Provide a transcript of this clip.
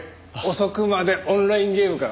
遅くまでオンラインゲームか？